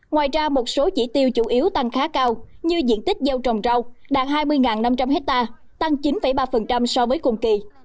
ngoài ra một số chỉ tiêu chủ yếu tăng khá cao như diện tích gieo trồng rau đạt hai mươi năm trăm linh hectare tăng chín ba so với cùng kỳ